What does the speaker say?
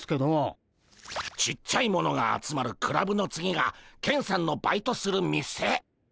ちっちゃいものが集まるクラブの次がケンさんのバイトする店。